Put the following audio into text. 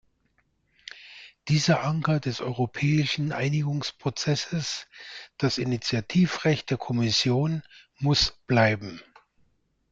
Dieser Anker des europäischen Einigungsprozesses, das Initiativrecht der Kommission, muss bleiben!